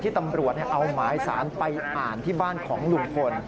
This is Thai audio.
ตำรวจเอาหมายสารไปอ่านที่บ้านของลุงพล